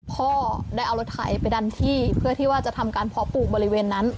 พ่อได้เอารถไถไปดันที่เพื่อที่ว่าจะทำการเพาะปลูกบริเวณนั้น